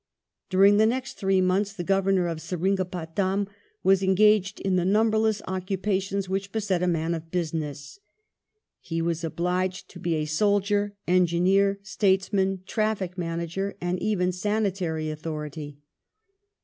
During the next three months the Governor of Ser ingapatam was engaged in the numberless occupations which beset a man of business. He was obliged to be soldier, engineer, statesman, traffic manager, and even sanitary authority.